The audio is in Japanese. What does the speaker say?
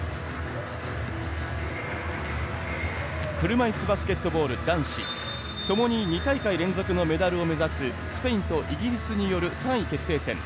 車いすバスケットボール男子ともに２大会連続のメダルを目指すスペインとイギリスによる３位決定戦。